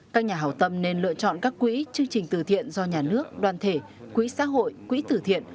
các nhà hảo tâm nên lựa chọn các quỹ chương trình từ thiện do nhà nước đoàn thể quỹ xã hội quỹ tử thiện